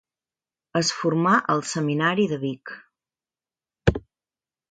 Es formà al Seminari de Vic.